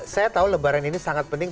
saya tahu lebaran ini sangat penting